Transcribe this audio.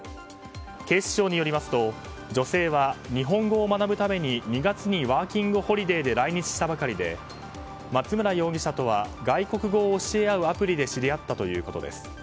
警視庁によりますと、女性は日本語を学ぶために２月にワーキングホリデーで来日したばかりで松村容疑者とは外国語を教え合うアプリで知り合ったということです。